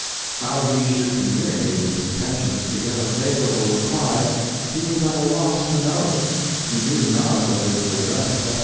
How he should communicate his intentions to get a favorable reply, he was at a loss to know; he knew not whether to address Esq.